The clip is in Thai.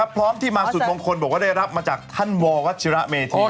พร้อมที่มาสุดมงคลบอกว่าได้รับมาจากท่านววัชิระเมธี